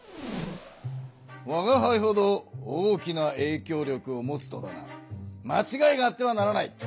わがはいほど大きなえいきょう力を持つとだなまちがいがあってはならない！